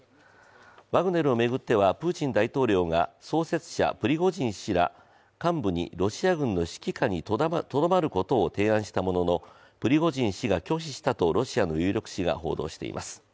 ワグネルを巡ってはプーチン大統領が創設者プリゴジン氏ら幹部にロシア軍の指揮下にとどまることを提案したものの、プリゴジン氏が拒否したと、ロシアの有力紙が報道しています。